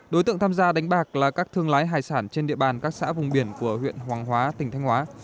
đối tượng tham gia đánh bạc là các thương lái hải sản trên địa bàn các xã vùng biển của huyện hoàng hóa tỉnh thanh hóa